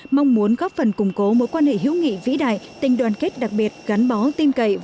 mong muốn góp phần củng cố mối quan hệ hữu nghị vĩ đại tình đoàn kết đặc biệt